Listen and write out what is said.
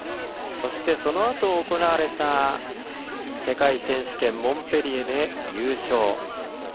そして、そのあと行われた世界選手権モンペリエで優勝。